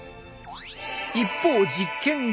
一方実験後。